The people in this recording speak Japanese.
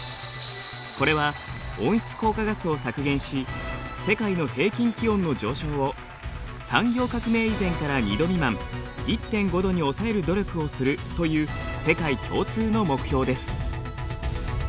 これは温室効果ガスを削減し世界の平均気温の上昇を産業革命以前から２度未満１．５度に抑える努力をするという世界共通の目標です。